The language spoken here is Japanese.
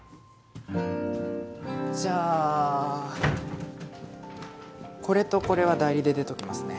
じゃあこれとこれは代理で出ときますね。